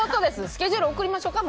スケジュール送りましょうか？